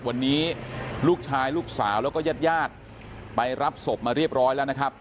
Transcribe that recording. วันนี้ลูกชายลูกสาวแล้วก็ญาติญาติไปรับศพมาเรียบร้อยแล้วนะครับ